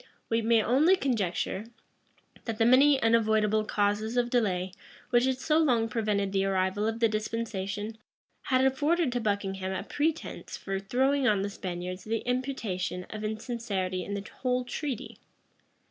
We may only conjecture, that the many unavoidable causes of delay which had so long prevented the arrival of the dispensation, had afforded to Buckingham a pretence for throwing on the Spaniards the imputation of insincerity in the whole treaty.